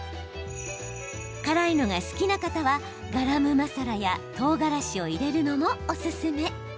辛いのが好きな方はガラムマサラやとうがらしを入れるのもおすすめ。